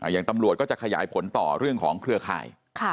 อย่างตำรวจก็จะขยายผลต่อเรื่องของเครือข่าย